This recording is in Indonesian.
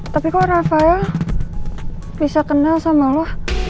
tapi kok rafael bisa kenal sama lo